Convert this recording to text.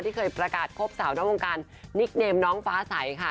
เคยประกาศคบสาวนอกวงการนิกเนมน้องฟ้าใสค่ะ